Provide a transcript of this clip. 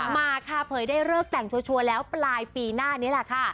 มาค่ะเผยได้เลิกแต่งชัวร์แล้วปลายปีหน้านี้แหละค่ะ